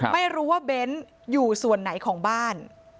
ไม่รู้ว่าเบ้นอยู่ส่วนไหนของบ้าน